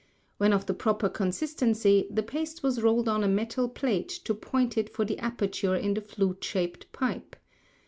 When of the proper consistency, the paste was rolled on a metal plate to point it for the aperture in the flute shaped pipe.